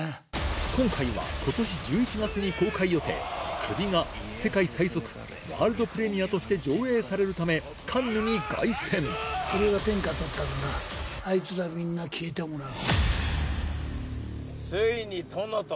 今回は今年１１月に公開予定『首』が世界最速ワールドプレミアとして上映されるためカンヌに凱旋俺が天下取ったらなあいつらみんな消えてもらう。